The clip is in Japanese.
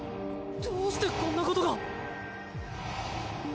どうしてこんなことが？